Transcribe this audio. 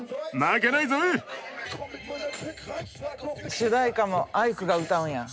主題歌もアイクが歌うんや。